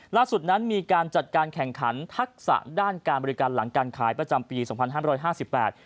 ล่าสุดนั้นมีการจัดการแข่งขันทักษะด้านการบริการหลังการขายประจำปีสองพันห้ามร้อยห้าสิบแปด